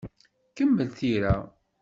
Kemmel tira.